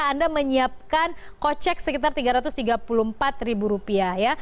anda menyiapkan kocek sekitar tiga ratus tiga puluh empat ribu rupiah ya